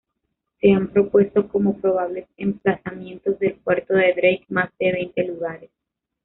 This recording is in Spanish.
Se han propuesto como probables emplazamientos del puerto de Drake más de veinte lugares.